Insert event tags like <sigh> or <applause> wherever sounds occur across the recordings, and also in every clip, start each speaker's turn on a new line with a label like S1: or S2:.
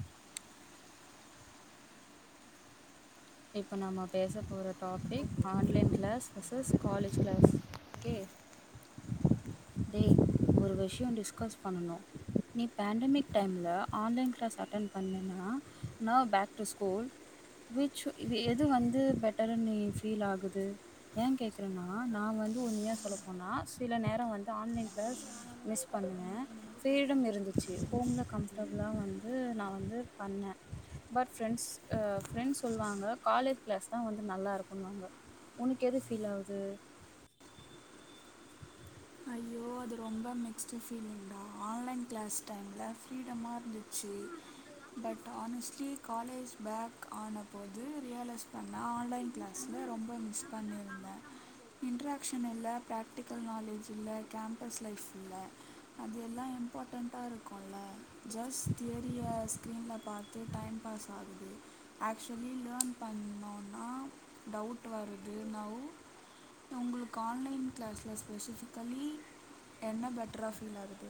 S1: இன் audible <inaudible> இப்போ நம்ம பேச போற topic online class versus college class okay ஏ ஒரு விஷயோ டிஸ்கஸ் பண்ணனு நீ பேண்டமிக் டைம்ல் ஆன்லைன் கிளாஸ் அட்டன் பண்ணேனா நா பேக்டு ஸ்கூல் வி இ எது வந்து பெட்டரு நீ ஃபீல் ஆகுது ஏ கேட்குறேன்னா நா வந்து உண்மயா சொல்லப்போனா சில நேரோ வந்து ஆன்லைன் கிளாஸ் மிஸ் பண்ணுவே ஃபரீடம் இருந்துச்சு ஹோம்ல கம்ஃபர்டபுளாவந்து நா வந்து பண்ணே பட் ஃப்ரெண்ட்ஸ் ஆ ஃப்ரெண்ட்ஸ் சொல்லுவாங்க காலேஜ் கிளாஸ் தா வந்த நல்லா இருக்குன்வாங்க ஒனக்கு எது ஃபீல் ஆகுது
S2: ஐயோ அது ரொம்ப மெஸிவ் ஃபீலிங் கா ஆன்லைன் கிளாஸ் டைம்ல ஃப்ரீடமா இருந்து சேரி பட் ஆனச்லி காலேஜ் பேக் ஆனபோது ரியலைஸ் பண்ண நா ஆன்லைன் கிளாஸ்ல ரொம்ப மிஸ் பண்ணியிருந்தே இன்ட்ராக்சன் இல்ல பிராக்டிக்கல் நாலேஜ் இல்ல கேம்பஸ் லைஃப்ல்ல அது எல்லா இம்பாட்டன்ட்டா இருக்குல ஜஸ்ட் தேரிய ஸ்கிரீன்ல பாத்த பஸ் டைம் பாஸ் ஆகுது ஆக்சுவலி லேர்ன் பண்ணணோனா டவுட் வருது ந உங்களுக்கு ஆன்லைன் கிளாஸ்ல ஸ்பெசிஃபிக் தோழி என்ன பெட்டரா ஃபீல் ஆகுது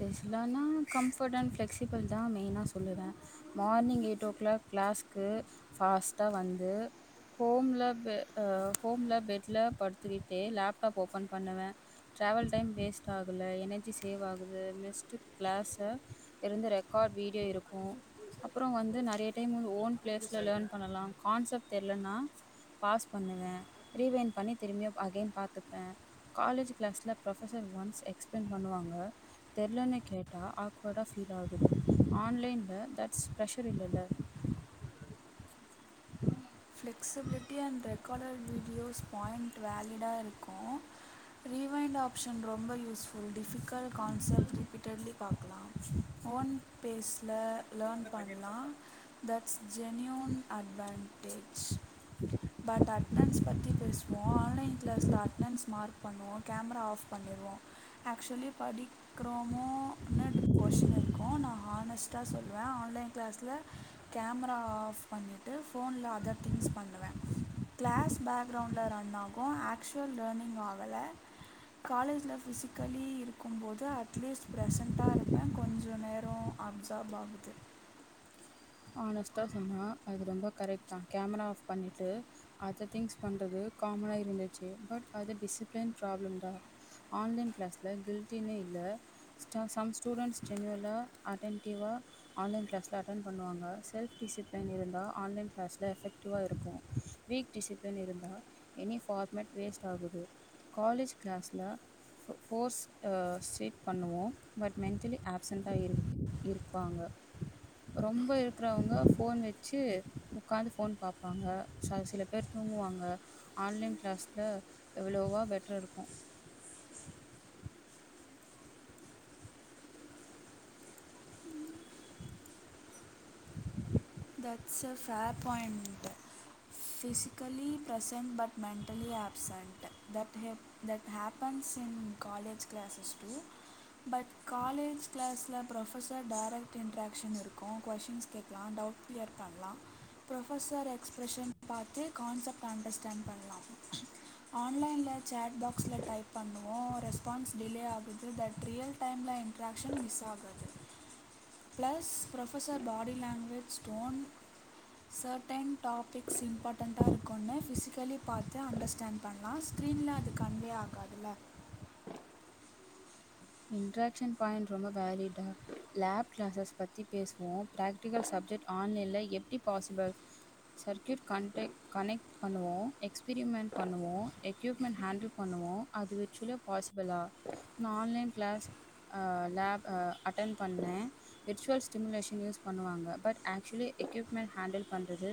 S1: பேசலானா கம்ஃபட் அன்ட் ஃபிளெக்ஸிபிள் தா மெய்னா சொல்லுவே மார்னிங் எயிட் ஓ கிளாக் கிளாஸ்க்கு ஃபாஸ்ட்டா வந்து ஹோம்ல்ல ஹோம்ல்ல பெட்ல்ல படுத்துக்கிட்டு லேப்டாப் ஓப்பன் பண்ணுவே ட்ராவல் டைம் வேஸ்ட்டு ஆகல எனர்ஜி சேவ் ஆக து மிஸ்ட்டு கிளாஸ இருந்து ரெக்காட் வீடியோ இருக்கு அப்பறோ வந்து நெறய டைம் வந்து ஓன் பிளேஸ்ல லேன் பண்ணலா கான்செப்ட் தெரியலன்னா பாஸ் பண்ணுவே ரீவைன் பண்ணி திரும்பிய அகைன் பாத்துப்பே காலேஜ் கிளாஸ்ல ப்ரொபசர் ஒன்ஸ் எக்ஸ்பிளைன் பண்ணுவாங்க தெரியலன்னு கேட்டா ஆக்வர்டா ஃபீல் ஆகுது ஆன்லைன்ல தட்ஸ் ப்ரஷர் இல்லேல உ <inaudible>
S2: flexibility and recorder videos point வேலிடாக இருக்கு ரீவைண்ட் ஆப்ஷன் ரொம்ப யூஸ்ஃபுல் ஒரு டிஃபிகல்ட் கான்செப்ட் ரிப்பீட்டட்லி பாக்கலா ஓன் பேஸ் ல லேன் பண்லா that's genuine advantage but attendance பத்தி பேசுவோ ஆன்லைன் கிளாஸ்ல அட்டணன்ஸ் மார்க் பண்ணுவோ கேமரா ஆஃப் பண்ணிடுவோ ஆக்சுலி படிக்கிறோமோனு கொஷின் இருக்கு நா ஹானஸ்ட்டா சொல்வே ஆன்லைன் கிளாஸ்ல கேமரா ஆஃப் பண்ணிட்டு ஃபோன்ல அதர் திங்ஸ் பண்ணுவே கிளாஸ் பேக்ரவுண்லனா னா ஆகு ஆக்சுவல் லேர்னிங் ஆகல காலேஜ்ல ஃபிசிக்கலி இருக்கும்போது அட்லீஸ்ட் ப்ரெசன்ட்டா இருப்பே கொஞ்ச நேரோ அப்சார்பகிடு
S1: ஆனஸ்ட்டா சொன்னா அது ரொம்ப கரெக்ட் தா கேமரா ஆஃப் பண்ணிட்டு அத திங்ஸ் பண்றது காமனா இருந்துச்சு பட் அது டிசிப்ளின் ப்ராப்ளம் தா ஆன்லைன் கிளாஸில கில்டினே இல்ல ஸ்ட சம் ஸ்டூடெண்ட்ஸ் ஜெனிவலா அட்டென்டிவ்வா ஆன்லைன் கிளால அட்டென் பண்ணுவாங்க செல்ஃப் டிசிப்ளின் இருந்தா ஆன்லைன் கிளாஸ்ல எஃபெக்டிவா இருக்கு வீக் டிசிப்ளின் இருந்த எனி ஃபார்மெட் வேஸ்ட் ஆகுது காலேஜ் கிளாஸ்ல ஃபோர்ஸ் ஸ்டீட் பண்ணுவோ பட் மென்டலி ஆப்செண்ட்டா இரு இருப்பாங்க ரொம்ப இருக்குறவங்க ஃபோன் வச்சு ஒக்காந்து ஃபோன் பாப்பாங்க ச சில பேர் தூங்குவாங்க ஆன்லைன் கிளாஸ்ல எவ்வளோவா பெட்ரு இருக்கு
S2: that's a fair point physically present but mentally absent தட்ஹப் that happens in college classes too but college க்ளாஸ்ல ப்ரொஃபஸர் டைரெக்ட் இன்ட்ராக்ஷன் இருக்கு கொஷின்ஸ் கேக்கலா டவுட் கிளியர் பண்லா ப்ரொஃபஸர் எக்ஸ்பெரஷன் பாத்து கான்செப்ட் அண்டஸ்டாண்ட் பண்ணலா ஆன்லைன்ல சேட் பாக்ஸ்ல டைப் பண்ணுவோ ரெஸ்பான்ஸ் டிலே ஆகுது தட் ரியல் டைமில் இன்ட்ராக்க்ஷன் மிஸ் ஆகுது plus professor body language stone certain topics இம்பார்ட்டன்டாக இருக்கும்ன்னு ஃபிஸிக்கலி பாத்து அண்டர்ஸ்டாண்ட் பண்லா ஸ்க்ரீன்ல அது கன்வே ஆகாதுல
S1: இன்ட்ராக்ஷன் பாயிண்ட் ரொம்ப வேலிடா லேப் கிளாஸஸ் பத்தி பேசுவோ ப்ராக்டிகல் சப்ஜெக்ட் ஆன்லைனில் எப்டி பாசிபிள் சர்க்யூட் கன்டே கனெக்ட் பண்ணுவோ எக்ஸ்பெரிமெண்ட் பண்ணுவோ எக்யூப்மெண்ட் ஹேண்டில் பண்ணுவோ அது விர்ச்சுலே பாசிபிளா நா ஆன்ல கிளாஸ் அ லேப் அ அட்டன் பண்ண விர்ச்சுவல் ஸ்டிமுலேஷன் யூஸ் பண்ணுவாங்க பட் ஆக்சுவலி எக்யூப்மெண்ட் ஹேண்டில் பண்ணுறது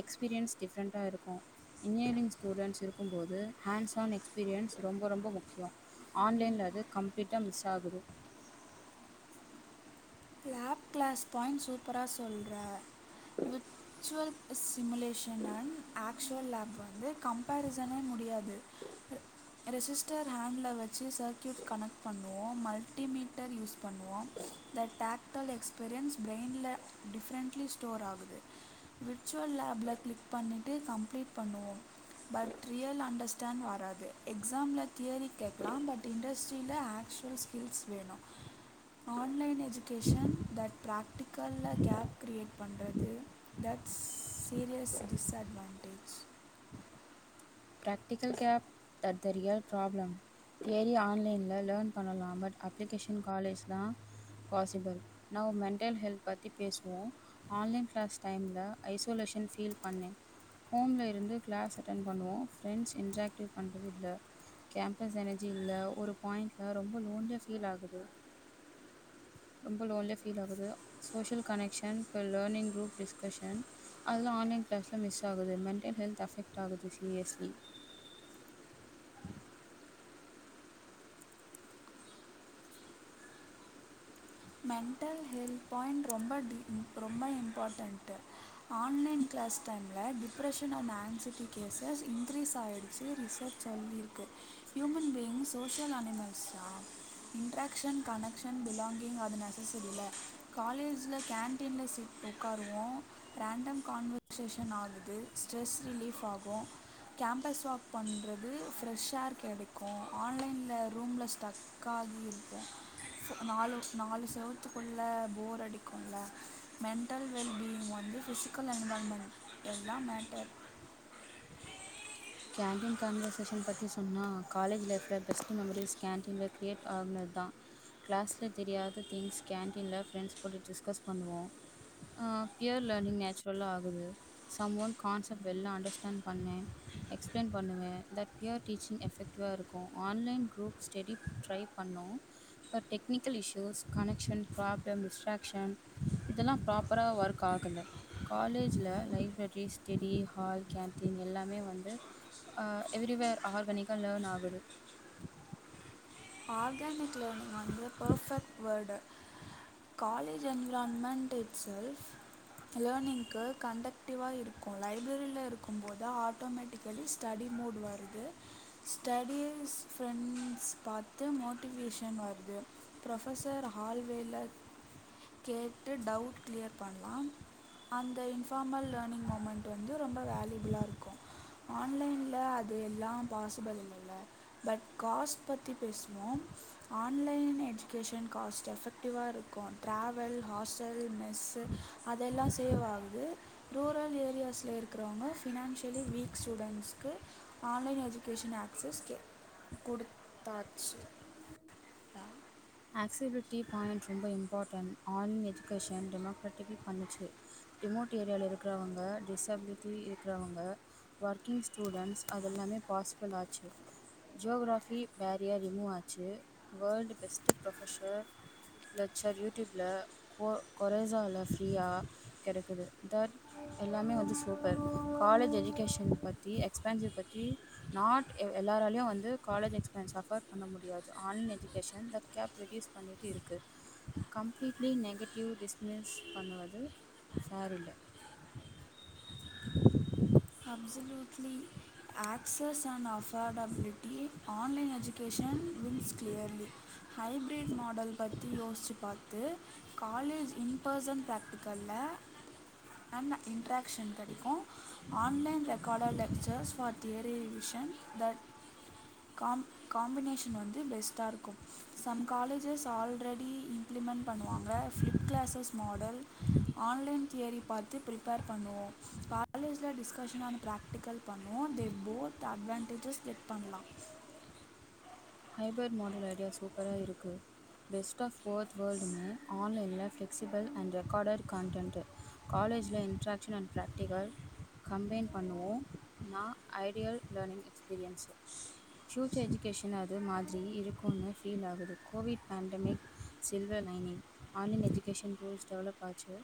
S1: எக்ஸ்பீரியன்ஸ் டிஃப்ரெண்ட்டா இருக்கு இன்ஜினியரிங் ஸ்டூடெண்ட்ஸ் இருக்கும்போது ஹேண்ட்ஸ் ஆன் எக்ஸ்பீரியன்ஸ் ரொம்ப ரொம்ப முக்கியோ ஆன்லைன்ல அது கம்ப்யூ ட்டமிஸ் ஆகுது
S2: லேப் கிளாஸ் பாயிண்ட் சூப்பரா சொல்கிற virtual simulation and actual lab வந்து கம்பரிசனே முடியாது ரெஜிஸ்டர் ஹேண்டில வச்சு சர்க்கயூட் கனெக்ட் பண்ணுவோ மல்டிமீட்டர் யூஸ் பண்ணுவோ தட் டேக்டல் எக்ஸ்பீரியன்ஸ் பிரைன்ல டிஃப்ரெண்டட்லி ஸ்டோர் ஆகுது விர்ச்சுவல் லேபில கிளிக் பண்ணிட்டு கம்ப்ளீட் பண்ணுவோ பட் ரியல் அண்டர்ஸ்டாண்ட் வராது எக்ஸாமில தியரி கேட்கலா பட் இண்டஸ்ட்ரியில ஆக்சுவல் ஸ்கில்ஸ் வேணு ஆன்லைன் எஜு கேஷன் தட் ப்ராக்டிக்கல்ல கேப் கிரியேட் பண்ணுறது that's serious disadvantage
S1: practical gap the தறரியல் problem theory ஆன்லைன்ல லேர்ன் பண்ணலா பட் அப்ளிகேஷன் காலேஜ் தா பாசிபிள் நௌ மென்டல் ஹெல்த் பத்தி பேசுவோ ஆன்லைன் கிளாஸ் டைம்ல ஐசோலேஷன் ஃபீல் பண்ணே ஹோமில இருந்து கிளாஸ் அட்டென் பண்ணுவோ ஃப்ரெண்ட்ஸ் இன்ட்ராக்டிவ் பண்ணுறது இல்ல கேம்பஸ் எனர்ஜி இல்ல ஒரு பாயிண்ட்டில ரொம்ப லோண்லியா ஃபீல் ஆகுது ரொம்ப லோன்லியே ஃபீல் ஆகுது சோசியல் கனெக்ஷன் இப்ப லேர்னிங் குரூப் டிஸ்கஷன் அதெலா ஆன்லைன் கிளாஸ்லா மிஸ் ஆகுது மென்டல் ஹெல்த் அஃபெக்ட் ஆகுது சீரியஸ்லி
S2: மென்டல் ஹெல்த் பாயிண்ட் ரொம்ப ரொம்ப இம்பார்ட்டன்டு ஆன்லைன் கிளாஸ் டைம்ல depression and anxiety cases increase ஆகிடுச்சு ரிசர்ச் சொல்லியிருக்கு ஹியூமன் பீயிங் சோஷியல அனிமல்ஸ் தா இன்ட்ராக்ஷன் கனெக்ஷன் பிலாங்கிங் ங்க அது நெசசரியில்ல காலேஜில கேன்டீனில சீட் உட்காருவோ ரேண்டம் கான்வர்சேஷன் ஆகுது ஸ்ட்ரெஸ் ரிலீஃப் ஆகு கேம்பஸ் வாக் பண்ணுறது ஃப்ரெஷ் ஏர் கிடைக்கு ஆன்லைனில ரூம்ல ஸ்டக் ஆகி இருப்போ நாலு வர்ஷ் நாலு செவரத்துக்குள்ளே போர் அடிக்கும்ல மென்டல் வெல்பீயிங் வந்து ஃபிசிக்கல் என்வால்மெண்ட் தா மேட்டர்
S1: கேன்டீன் கான்வர்சேஷன் பத்தி சொன்னா காலேஜ் லைஃப்ல பெஸ்ட் மெமரிீஸ் கேன்டீனல கிரியேட் ஆகுனது தா கிளாஸ்ல தெரியாத திங்ஸ் கேன்டீன்ல ஃப்ரெண்ட்ஸ் கூட டிஸ்கஸ் பண்ணுவோ அ பியூர் லேர்னிங் நேச்சுரலா ஆகுது சம் ஒன் கான்செப்ட் வெல்லா அண்டர்ஸ்டாண்ட் பண்ணே எக்ஸ்பிளைன் பண்ணுவே தட் பியூர் டீச்சிங் எஃபெக்டிவாக இருக்கு ஆன்லைன் க்ரூப் ஸ்டெடி ட்ரை பண்ணோ but technical issues connection problem distraction இதெல்லாப்ராப்பரா ஒர்க் ஆகல காலேஜில் லைப்ரரி ஸ்டெடி ஹால் கேன்டீன் எல்லாமே வந்து ந்து எவ்ரிவேர் ஆர்கனிக்கா லேர்ன் ஆகுது
S2: ஆர்கானிக் லேர்னிங் வந்து perfect word college environment itself லேர்னிங்க்கு கண்டெக்டிவா இருக்கு லைப்ரரியில இருக்கு போது ஆட்டோமேட்டிக்கலி ஸ்டடி மூட் வருது ஸ்டடிஸ் ஃப்ரெண்ட்ஸ் பாரு பத்து மோட்டிவேஷன் வருது ப்ரொஃபசர் ஹால்வேல கேட்டு டவுட் கிளியர் பண்லா அந்த இன்ஃபார்மல் லேர்னிங் மூமெண்ட் வந்து ரொம்ப வேல்யூபுல்லா இருக்கு ஆன்லைன்ல அது எல்லா பாசிபள் இல்ல பட் காஸ்ட் பத்தி பேசுவோ ஆன்லைன் எஜுகேஷன் காஸ்ட் எஃபெக்டிவா இருக்கு ட்ராவல் ஹாஸ்டல் மெஸ்ஸு அதெல்லா சேவ் ஆகுது ரூரல் ஏரியாஸ்ல இருக்கிறவங்க ஃபினான்ஷியலி வீக் ஸ்டூடெண்ட்ஸ்கு ஆன்லைன் எஜுகேஷன் ஆக்சஸ் கே கொடு தாட்ச்
S1: ஆகஸிபிலிட்டி பாயிண்ட் ரொம்ப இம்பார்ட்டன் ஆன்லைன் எஜுகேஷன் டெமோ்ராட்டிக் பண்ணுச்சு ரிமோட் ஏரியாவில் இருக்கிறவங்க டிஸ்பிலிட்டி இருக்கிறவங்க ஒர்க்கிங் ஸ்டூடண்ட்ஸ் அதுெல்லாமே பாசிபிள் ஆச்சு ஜியோகராஃபி பேரியர் ரிமூவ் ஆச்சு வேர்ல்ட் பெஸ்ட்டு ப்ரொஃபஷர் லெக்சர் யூடியூபில கோ குறைசால ஃப்ரீயா கிடைக்குது தட் எல்லாமே வந்து சூப்பர் காலேஜ் எஜுகேஷன் பத்தி எக்ஸ்பென்சிவ் பத்தி நாட் எல்லாராலயு வந்து காலேஜ் எக்ஸ்பென்ஆஃபர் பண்ண முடியாது online education that gap reduce பண்ணிட்டு இருக்கு கம்ப்லீட்லி நெகட்டிவ் டிஸ்மிஸ் பண்ணுவது ஃபேர் இல்ல
S2: absolutely access and affordability online education wins clearly hybrid model பத்தி யோசிச்சு பார்த்து காலேஜ் இன்பர்சன் ப்ராக்டிக்கல்ல அன் இன்ட்ராக்ஷன் கிடைக்கு ஆன்லைன் ரெக்கார்டர் லெக்சர்ஸ் ஃபார் தியரிவிஷன் தட் காம் காம்பினேஷன் வந்து பெஸ்ட்டா இருக்கு சம் காலேஜஸ் ஆல்ரெடி இம்ப்ளிமெண்ட் பண்ணுவாங்க flip classes model online theory பார்த்து ப்ரிப்பேர் பண்ணுவோ காலேஜ் டிஸ்கஷன்னான பிராக்டிகல் பண்ணுவோ தே போத் அட்வான்டேஜஸ் செக் பண்லா
S1: ஹைபரட் மாடல் ஐடியா சூப்பராக இருக்கு பெஸ்ட் ஆஃப் ஒர்த் வேர்ல்டுமே ஆன்லைனில ஃப்ளெக்ஸிபிள் அண்ட் ரெக்கார்டட் கண்டன்ட் காலேஜில இன்ட்ராக்ஷன் அண்ட் ப்ராக்டிகல் கம்பைன் பண்ணுவோ நா ஐடியல் லேர்னிங் எக்ஸ்பீரியன்ஸ் ஃப்யூச்சர் எஜகேஷன இது மாரி இருக்கும்னு ஃபீல் ஆகுது Covid pandemic silver lining online education tools develop ஆச்சு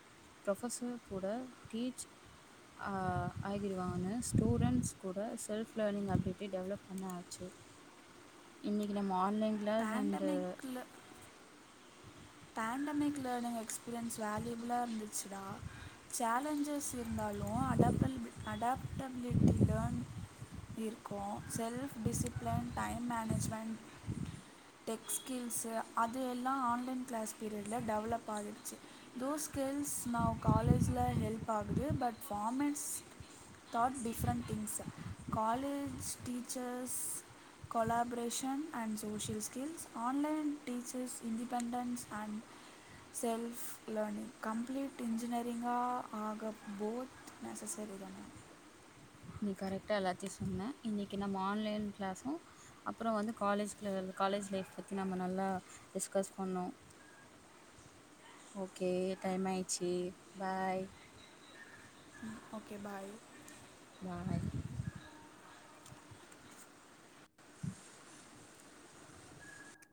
S1: ப்ரொஃபசர் கூட டீச் ஆ ஆகிடுவானு ஸ்டூன்ட்ஸ் கூட செல்ப் லேர்னிங் அப்ட டெவலப் பண்ண ஆச்சு இன்னிக்கி நம் ஆன்லைன் கிளாஸ் அண்டு
S2: பேண்டமிக்கில் பேண்டமிக் லேர்னிங் எக்ஸ்பீரியன்ஸ் வேல்யூபுளா இருந்துச்சுடா சேலஞ்சஸ் இருந்தாலுஅடாப்டபல் அடாப்டபிலிட்டி லர்ன் இருக்கு self discipline time management text skills அது எல்லா ஆன்லைன் கிளாஸ் பீரியடுல டெவலப் ஆகிடுச்சு தோ ஸ்கில்ஸ் நௌ காலேஜ்ல ஹெல்ப் ஆகுது but formats thought different things college teachers collaboration and social skills online teachers independence and self learning complete இன்ஜினியரிங்காக ஆகபோத் நெசசரி தா
S1: நீ கரெக்டா எல்லாத்தையு சொன்னே இன்னைக்கு நம்ம ஆன்லைன் கிளாஸ்ஸு அப்புறோ வந்து காலேஜ் காலேஜ் லைஃப் பத்தி நம்ம நல்லா டிஸ்கஸ் பண்னோ ஓகே டைம் ஆயிடுச்சு பாய்
S2: ஓகே பாய்
S1: பாய்